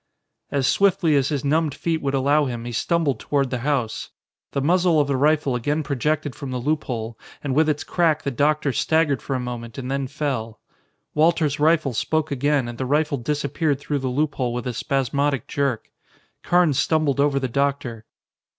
As swiftly as his numbed feet would allow him, he stumbled toward the house. The muzzle of the rifle again projected from the loophole and with its crack the doctor staggered for a moment and then fell. Walter's rifle spoke again and the rifle disappeared through the loophole with a spasmodic jerk. Carnes stumbled over the doctor.